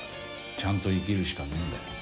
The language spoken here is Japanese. ちゃんと生きるしかねえんだよ。